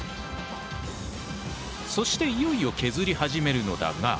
そしていよいよ削り始めるのだが。